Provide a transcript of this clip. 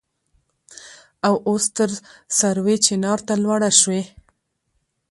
او اوس تر سروې چينار ته لوړه شوې.